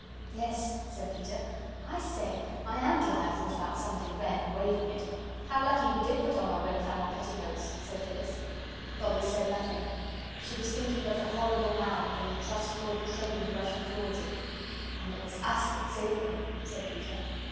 "Yes," said Peter. "I say, I am glad I thought about something red, and waving it." "How lucky we DID put on our red flannel petticoats!" said Phyllis. Bobbie said nothing. She was thinking of the horrible mound, and the trustful train rushing towards it. "And it was US that saved them," said Peter.